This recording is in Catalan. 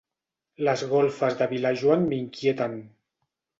Les golfes de Vilajoan m'inquieten.